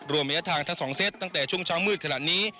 ระยะทางทั้ง๒เซตตั้งแต่ช่วงเช้ามืดขนาดนี้